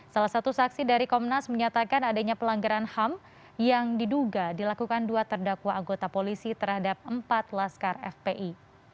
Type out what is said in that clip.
salah satu saksi dari komnas menyatakan adanya pelanggaran ham yang diduga dilakukan dua terdakwa anggota polisi terhadap empat laskar fpi